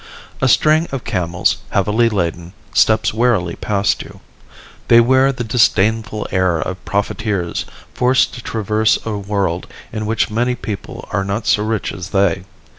A string of camels, heavily laden, steps warily past you. They wear the disdainful air of profiteers forced to traverse a world in which many people are not so rich as they.